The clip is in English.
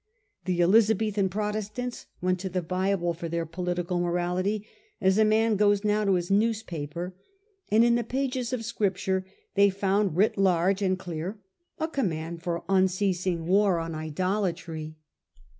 The Elizabethan Protestants went to the Bible for their political morality as a man goes now to his newspaper ; and in the pages of Scripture they found writ large and clear a command for unceasing war on idolatry.